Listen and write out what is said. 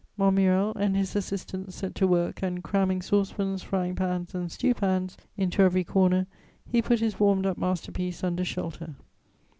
Montmirel and his assistants set to work and, cramming saucepans, frying pans and stewpans into every corner, he put his warmed up master piece under shelter.